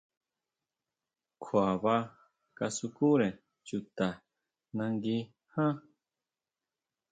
Kjua baa kasukure chuta nangui ján.